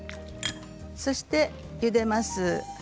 そして、ゆでます。